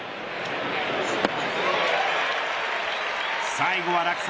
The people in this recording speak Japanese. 最後は落差